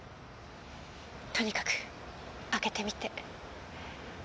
とにかく開けてみて。